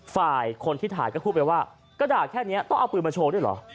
ฝ่ายคนที่ถ่ายก็พูดไปว่ากระดาษแค่นี้ต้องเอาปืนมาโชว์ด้วยเหรอ